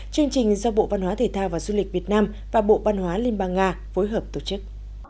chương trình do bộ văn hóa thể thao và du lịch việt nam và bộ văn hóa liên bang nga phối hợp tổ chức